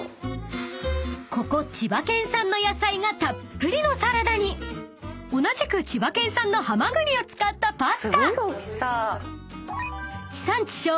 ［ここ千葉県産の野菜がたっぷりのサラダに同じく千葉県産のハマグリを使ったパスタ］